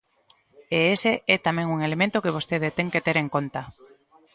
E ese é tamén un elemento que vostede ten que ter en conta.